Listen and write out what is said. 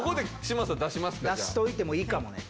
出しといてもいいかもね。